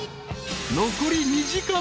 ［残り２時間。